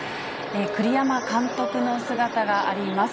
栗山監督の姿があります。